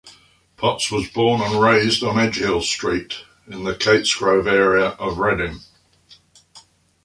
Potts was born and raised on Edgehill Street in the Katesgrove area of Reading.